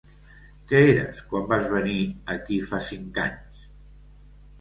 Què eres quan vas venir aquí fa cinc anys?